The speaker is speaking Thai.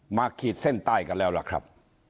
ขีดเส้นใต้กันแล้วล่ะครับ